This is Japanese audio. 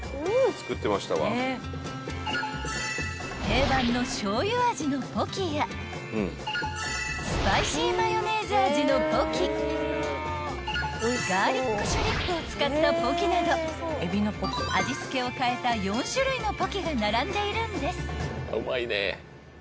［定番のしょうゆ味のポキやスパイシーマヨネーズ味のポキガーリックシュリンプを使ったポキなど味付けを変えた４種類のポキが並んでいるんです］